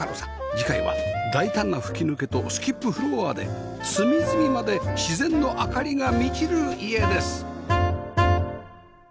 次回は大胆な吹き抜けとスキップフロアで隅々まで自然の明かりが満ちる家です